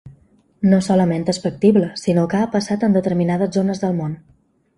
No solament és factible, sinó que ha passat en determinades zones del món.